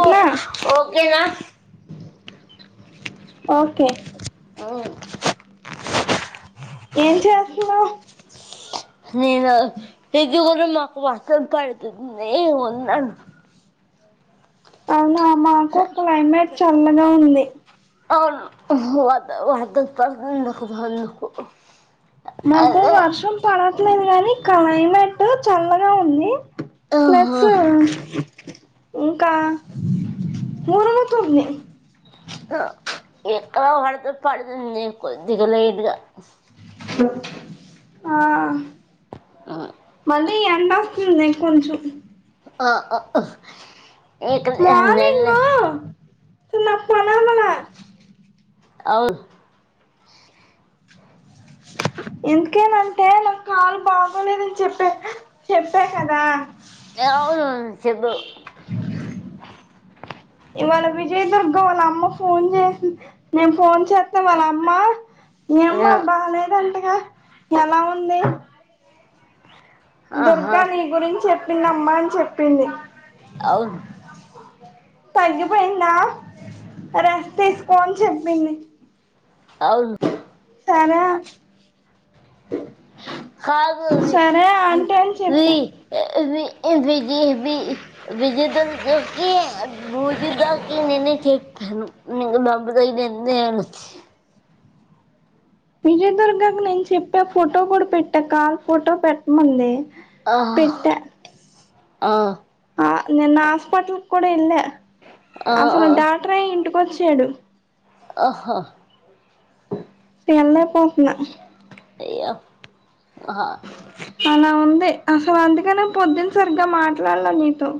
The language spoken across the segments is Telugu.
ఓ ఓకేనా ఓకే ఉమ్మ్ ఏం చేస్తున్నావ్ నేనా ఇంటి మందా మాకు వర్షం పడుతుంది ఉన్నాను అవునా మాకు క్లైమేట్ చల్లగా ఉంది అవును వర్షం పడుతుంది మాకు వానకు మాకు వర్షం పడట్లేదు గాని క్లైమేటు చల్లగా ఉంది ప్లసు ఇంకా మునుగుతుంది ఇక్కడ వర్షం పడుతుంది కొద్దిగా లేైట్గా ఆ మళ్ళీ ఎండస్తుంది కొంచెం ఆ ఆ ఆ ఇక్కడ ఎండే లే సున్న పనామన అవు ఎందుకేనంటే నాకు కాలు బాగోలేదని చెప్పే చెప్పా కదా అవును చెప్పావ్ ఇవాళ విజయదుర్గ వాళ్ళ అమ్మ ఫోన్ చేసి నేను ఫోన్ చేస్తే వాళ్ళ అమ్మ ఆ, మీఅమ్మ బాలేదంటగా ఎలా ఉంది ఆహా దుర్గా నీ గురించి చెప్పిందామ్మా అని చెప్పింది అవును తగ్గిపోయిందా రెస్ట్ తీసుకో అని చెప్పింది అవును సరే కాదు అది సరే ఆంటీ అని రీ చెప్పాను రి విజయ వి విజయ దుర్గాకి పూజితకి నేనె చె ప్పాను నిన్న మబ్బ తగిలింది అని విజయదుర్గాకు నేను చెప్పా ఫోటో కూడా పెట్టా కాల్ ఫోటో పెట్టమంది ఆహ్ పెట్టా ఆ నేను హాస్పిటల్‌కి కూడా ఎళ్ళా ఆ అసలు డాక్టరే ఇంటికొచ్చాడు ఆహా ఎళేపోతున్నా అయ్యో ఆ అలా ఉంది అసలు అందుకనే పొద్దున సరిగ్గా మాట్లాడాలా నీతో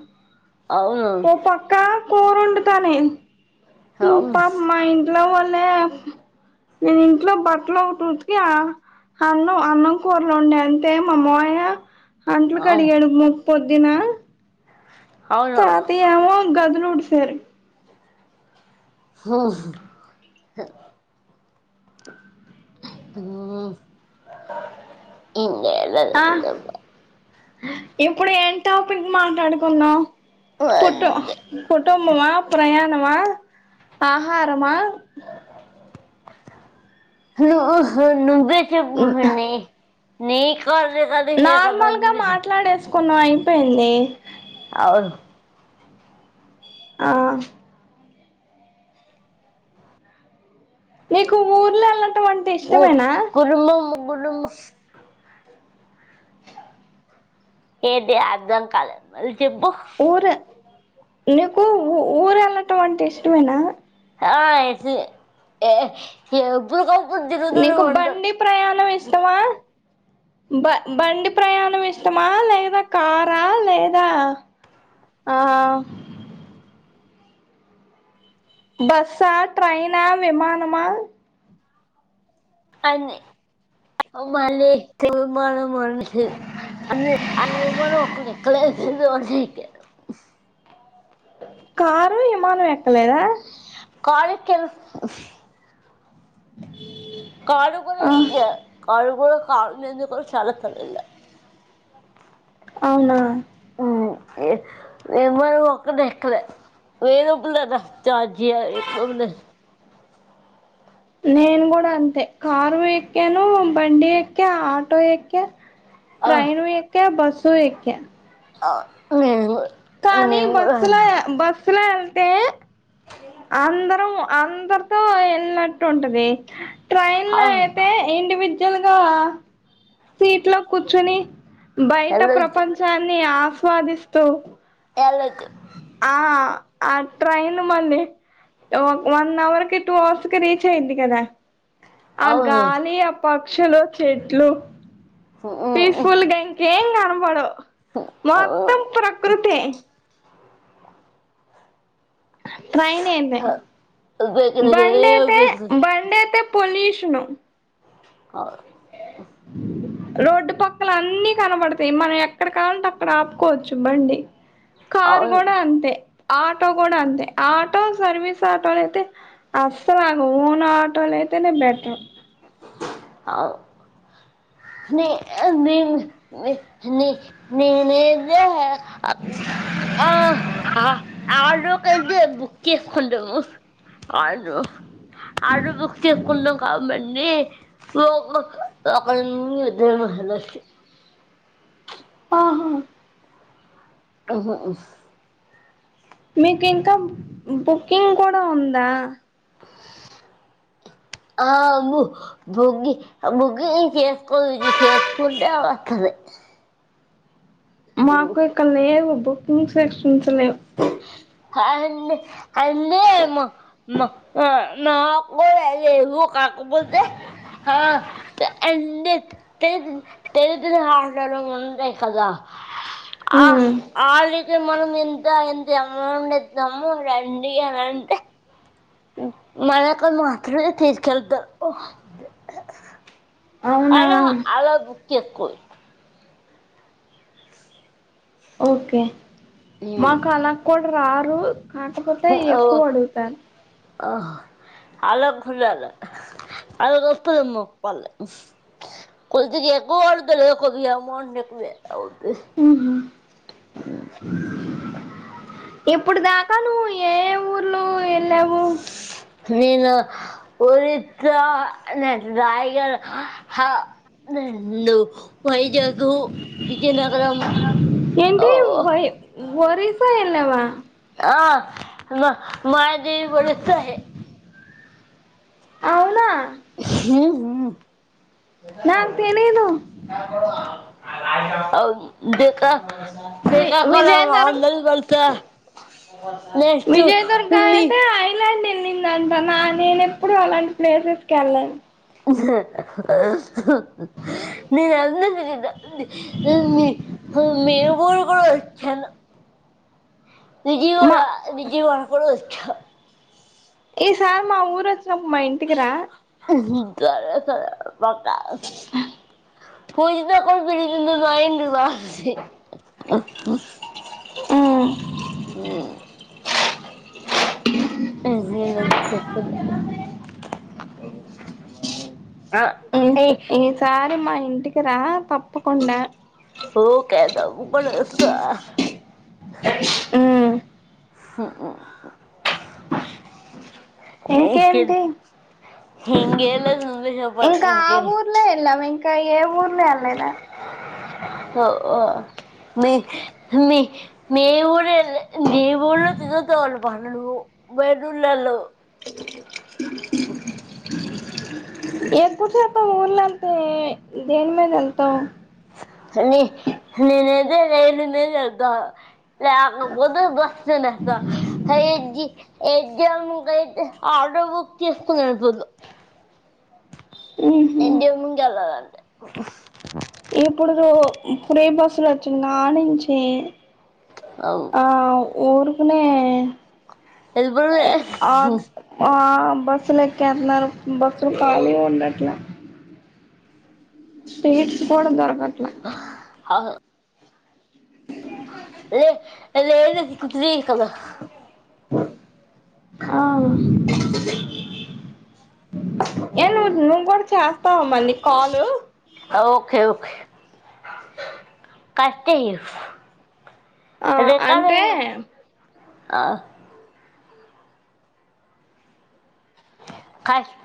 అవును వో పక్కా కొరోండుతనే అవును ఇట్లా వాలే నేను ఇంట్లో బట్టలు ఒకటి ఉతిక అవును అన్నం కూరలు వండే అంతే మా మొవయ్య అంట్లు అవు కడిగాడు పొద్దున అవునవును తాతీయ ఏమో గదిలుడిసేరు హ్మ్ హ్మ్మ్ ఆ ఇప్పుడు ఏంటో మాట్లాడుకున్నాం కుటో కుటుంబమా ప్రయాణం ఆహారమా హలో నువ్వే చెప్పు వేణి నీక్ కాల్ రికార్డింగే కదా ఉండేది కొన్నం అయిపోయింది అవు ఆ నీకు ఊర్లెళ్ళ ఓ కుటుంబం ముగ్గురు ఏటి అర్ధంకాలే మల్లి చెప్పు నీకుఊ ఊరు వెళ్ళటం అంటే ఇష్టమేనా అస్ ఎప్పుడు కా నీకు బండి ప్రయాణం ఇష్టమా బ బండి ప్రయాణం ఇష్టమా లేదా కారా లేదా ఆ బస్సా ట్రెైనా విమానమా అన్ని మలి తెమరం వంశీ అది ఎవరో ఒకరు చెప్ తిక్కలేసింది వంశీ కీ కారు విమానం ఎక్కలేదా కాలికెన్స్ అ కారు కుడా ఎక్కా కారు మీద కుడా చాలా సార్లు వెళ్ళా అవునా నంబరు ఒక్కటి ఎక్కలే ఏదోకలాగా ఛార్జి ఎక్కువ ఉంది నేను కూడా అంతే కారు ఎక్కాను బండి ఎక్క ఆటో ఎక్క ఆ, ట్రైను ఎక్కా బసు ఎక్కా అవును కానీ బస్సులో బస్సులో ఏళ్తే అందరం అందరితో ఏళ్లనట్టు ఉంటది ట్రైన్లో అవును అయితే ఇండివిజ్ ల్గా సీట్లో కూర్చుని బయట వెళ్ళొద్దు ప్రపంచాన్ని అ ఆస్వాదిస్తూ వెళ్ళొద్దు ఆ ఆ ట్రైన్ మల్లి వన్అవర్ కీ టూఅవర్స్ కీ రీఛాయింది కద ఆ అవునవును గాలి ఆ పక్షులు చెట్లు మ్మ్ పీస్ఫుల్గా ఇంక ఏం గనబడవ్ మొత్తం అవును ప్రకృతే ఉబ్బెక్కుతది బండేతే ఉబ్బెక్కుతది బండేతే పొల్యూషను అ [inaudible] రోడ్డు పక్కల అన్నీ కనబడతయ్ మనం ఎక్కడ కావాలంటే అక్కడ ఆపుకోవచ్చు బండి కారు అవును గూడా అంతే ఆటో గూడా అంతే ఆటో సర్వీస్ ఆటోలు అయితే అస్సలు ఆగవ్ ఓన్ ఆటోలే ఐతెనే బెట్రు అవ్ నే అ నేన్ నె నె నేన్ అదే అ అన్ ఆ హా ఆడో కైతే బుక్ ఎక్కుండవు ఆడో ఆటో బుక్ ఎక్కుండవ్ అన్నీ వోకోక ఒకల్ [inaudible] అహహా అహ హుఫ్ మీకు ఇంకా బుకింగ్ కూడా ఉందా అ ఆ బు బుగ్గి బుగ్గి చేసుకోదు చేసుకుంటే అదస్తది అ మాకు ఇక్కల్లేవు బుకింగ్ సెక్షన్స్ లేవ్ కాదండి అన్నీ మ మ అ మాకు [unintelligible] కాకపోతే ఆ ఎన్ [unintelligible] తెరిదుల ఆటలో ఉంటై కదా అ ఉమ్ ఆళికి మనం ఇంతో ఎన్ జమూందే జమ్ముగ రండి అనంటే ఉ మనకు మాత్రమే తీసుకెళ్తారు ఉహ్ అవునా అలా అలా గుత్తెక్కున్ ఓకే మాకు చేసుకోవచ్చు అలా కూడ రారు కాకపోతే ఎక్కువ అడుగుతారు అలా [unintelligible] అలా [unintelligible] కొద్దిగ ఎక్కువ అడుతర్లే కొద్దిగ అమోంట్ [unintelligible] అవుత్ ఊహు ఇ ఇప్పుడు దాకా నువ్ ఏయే ఊర్లూ ఎళ్ళావు నేను ఉరిట్లా నేన్ రాయల్ హ రెండూ వైజాగూ విజయనగరం ఏంటీ వై వొరిస్సా ఎల్లావా ఆ మ మాయాదేవి వుడుతాహె అవునా [inaudible] నాకు తెలీదు అవున్ దికా వి శ్రీకాకులం [unintelligible] విజయ దుర్గాతే ఐలాండే ఎళ్ళిందంట నా నేన్ ఎప్పుడు అలాంటి ప్లేసెస్క్ ఎళ్ళను న అన్న [unintelligible] మేరుబోరు కూడా వచ్చాను విజయ మా కూడా విజయ కూడాకు ఏ సార్ మా ఊరు వచ్చినప్పుమా ఇంటికిరా బకా పూజతే కొ పందయింద ఆ హ చెకు ఈ ఈసారి మా ఇంటికి రా తప్పకుండా కదమ్ పడుస ఇంకే ఇంకేంటి ఇంకేలేదు నువ్వే చెప్పాలి ఇంకా ఆ ఊర్లో ఎళ్ళం ఇంకా ఏ ఊరు ఓ మీ మీ మ బ న బ త దలు బ వేదులో ఎ కుసతో ఊళ్లో దేని మీద వెళ్తాం ననుద ఏ ని చద ఆ బ బస్తతు నస్త ఏ జ ఆర్డర్ బుక్ చేసుకుపోదు ఎడి ఉమ్ ముకలదాంట ఎప్పుడుద కుర బసులు వచ్చుంద ఆనించే అవు ఉఊరుకునే వెళ్ళిపోవడమే బస్ లోకి అన్నారు బస్లు కాాల ఉండట్లా స్ీడ్స్ పోడం దొరకట్లే ఆహా లే ఏద త కదా ఆ ఏ నువ్వు నువ్వు కూడా చేస్తావ మళీ కాలు కష్హఫ ఆ అంటే ఆ కయ